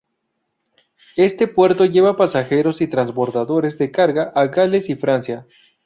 Este puerto lleva pasajeros y transbordadores de carga a Gales y Francia.